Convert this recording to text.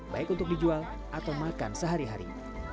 baik untuk dijual atau makan sehari hari